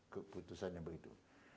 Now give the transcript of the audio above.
keputusan yang begitu